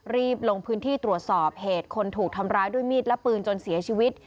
รีบลงพื้นที่ตรวจสอบเหตุคนถูกทำร้ายด้วยมีดและปืนจนเสียชีวิต